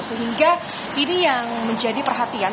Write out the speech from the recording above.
sehingga ini yang menjadi perhatian